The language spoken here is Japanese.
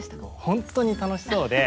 本当に楽しそうで。